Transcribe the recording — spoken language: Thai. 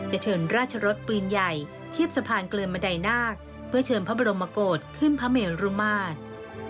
เชิญราชรสปืนใหญ่เทียบสะพานเกลือนบันไดนาคเพื่อเชิญพระบรมโกรธขึ้นพระเมรุมาตร